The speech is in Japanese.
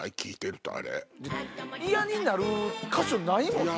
嫌になる箇所ないもんね。